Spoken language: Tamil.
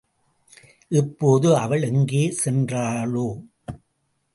இப்போது அவள் எங்கே சென்றாளோ?